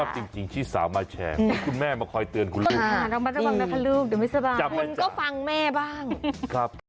จริงชิ้นสาวมาแชร์คุณแม่มาคอยเตือนคุณลูกค่ะ